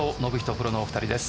プロのお二人です。